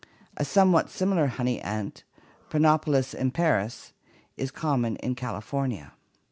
A somewhat similar honey ant, Prenolepis imparls, is common in Cal ifornia.